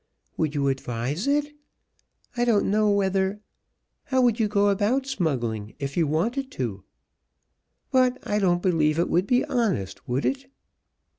Would you advise it? I don't know whether how would you go about smuggling, if you wanted to? But I don't believe it would be honest, would it?"